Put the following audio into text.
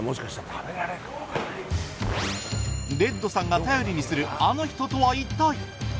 レッドさんが頼りにするあの人とは一体？